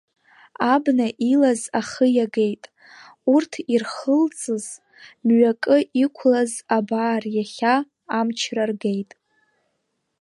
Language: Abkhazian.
Абна илаз ахы иагеит, урҭ ирхылҵыз, мҩакы иқәлаз абар иахьа амчра ргеит.